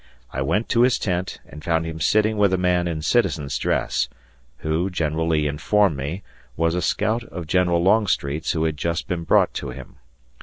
I went to his tent and found him sitting with a man in citizen's dress, who, General Lee informed me, was a scout of General Longstreet's who had just been brought to him.